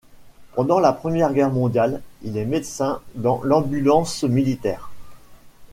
Pendant la Première Guerre mondiale, il est médecin dans l'ambulance militaire.